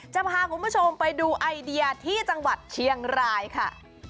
จะพาคุณผู้ชมไปดูไอเดียที่จังหวัดเชียงรายค่ะ